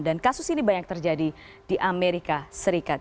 dan kasus ini banyak terjadi di amerika serikat